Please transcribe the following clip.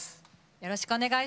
よろしくお願いします。